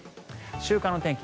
週間の天気